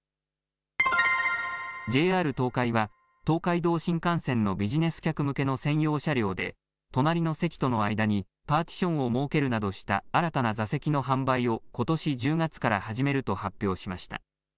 ＪＲ東海は、東海道新幹線のビジネス客向けの専用車両で、隣の席との間にパーティションを設けるなどした新たな座席の販売をことし１０月から始めると発表しました。